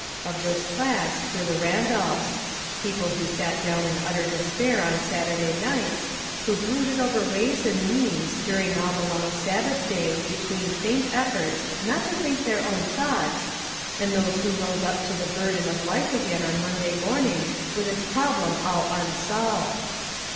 Of this class were the Randolphs — people who sat down in utter des pair on Saturday nights, who brooded over ways and means during all the long Sabbath day be tween faint efforts " not to think their own thoughts," and who rose up to the burden of life again on Monday morning with its problem ali unsolved.